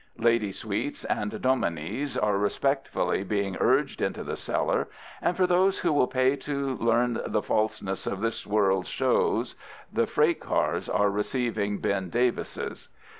Lady Sweets and Dominies are respectfully being urged into the cellar, and for those who will pay to learn the falseness of this world's shows the freight cars are receiving Ben Davises.